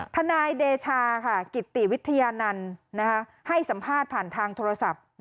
ทนายเดชากิติวิทยานันต์ให้สัมภาษณ์ผ่านทางโทรศัพท์